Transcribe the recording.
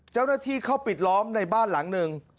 เจ้าหน้าที่เข้าปิดล้อมในบ้านหลังหนึ่ง